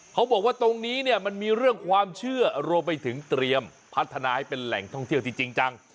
เขาบอกว่าตรงนี้เนี่ยมันมีเรื่องความเชื่อรวมไปถึงเตรียมพัฒนาให้เป็นแหล่งท่องเที่ยวที่จริงจัง